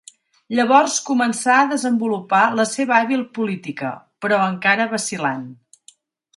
Llavors començà a desenvolupar la seva hàbil política, però encara vacil·lant.